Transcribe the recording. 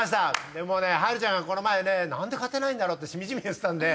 波瑠ちゃんがこの前ね何で勝てないんだろうってしみじみ言ってたんで。